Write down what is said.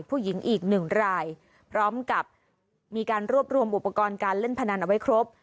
ผู้หญิงอีกหนึ่งรายพร้อมกับมีการรวบรวมอุปกรณ์การเล่นพนันเอาไว้ครบ